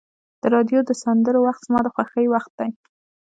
د راډیو د سندرو وخت زما د خوښۍ وخت دی.